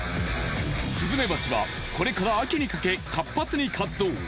スズメバチはこれから秋にかけ活発に活動。